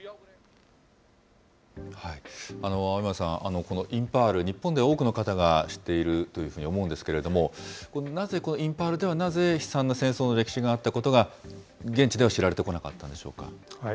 青山さん、このインパール、日本で多くの方が知っているというふうに思うんですけれども、なぜインパールでは、なぜ、悲惨な戦争の歴史があったことが、現地では知られてこなかったんでしょうか。